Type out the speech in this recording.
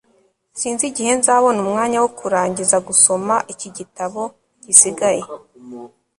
sinzi igihe nzabona umwanya wo kurangiza gusoma iki gitabo gisigaye